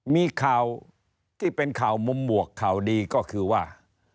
มีข่าวที่เป็นข่าวมุมหมวกข่าวดีก็คือว่า